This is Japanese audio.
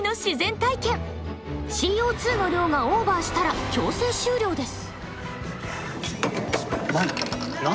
ＣＯの量がオーバーしたら強制終了です。